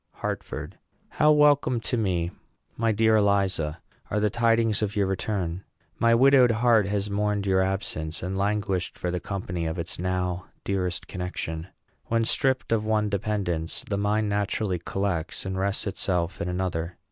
HARTFORD. How welcome to me, my dear Eliza, are the tidings of your return! My widowed heart has mourned your absence, and languished for the company of its now dearest connection. When stripped of one dependence, the mind naturally collects and rests itself in another.